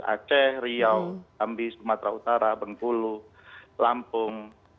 aceh riau tambi sumatera utara bengkulu lampung